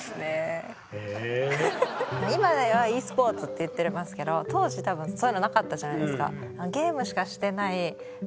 今では「ｅスポーツ」って言ってますけど当時多分そういうのなかったじゃないですか。